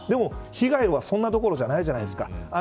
でも被害は、そんなどころじゃないじゃないですか。